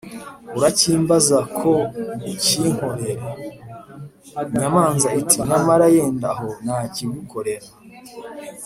urakimbaza ko ukinkorere?’ inyamanza iti ‘nyamara yenda aho nakigukorera.’